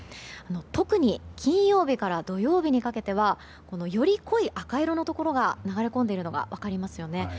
特に金曜日から土曜日にかけてはより濃い赤色のところが流れ込んでいるのが分かりますよね。